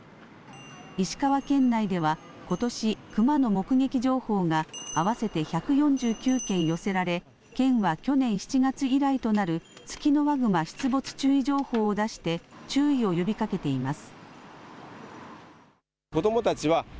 石川県内ではことし、クマの目撃情報が合わせて１４９件寄せられ県は去年７月以来となるツキノワグマ出没注意情報を出して注意を呼びかけています。